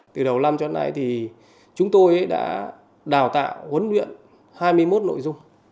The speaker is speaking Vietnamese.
từ đầu năm cho đến nay chúng tôi đã đào tạo huấn luyện hai mươi một nội dung